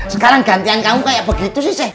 sekarang gantian kamu kayak begitu sih